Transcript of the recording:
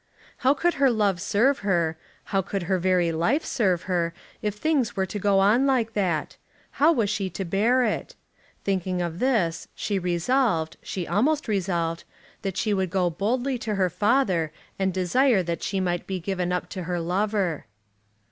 How could her love serve her, how could her very life serve her, if things were to go on like that? How was she to bear it? Thinking of this she resolved she almost resolved that she would go boldly to her father and desire that she might be given up to her lover.